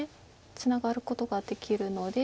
ツナがることができるので。